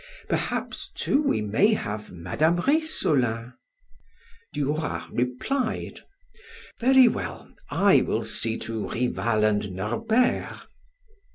Perhaps, too, we may have Mme. Rissolin." Du Roy replied: "Very well, I will see to Rival and Norbert."